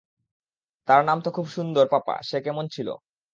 তার নাম তো খুব সুন্দর পাপা সে ছিল কেমন?